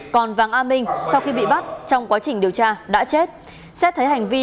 còn vàng a minh sau khi bị bắt trong quá trình điều tra đã chết